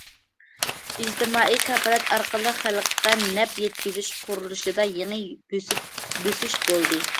ئىجتىمائىي كاپالەت ئارقىلىق خەلققە نەپ يەتكۈزۈش قۇرۇلۇشىدا يېڭى بۆسۈش بولدى.